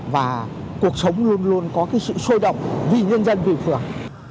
và cuộc sống luôn luôn có cái sự sôi động vì nhân dân vì phường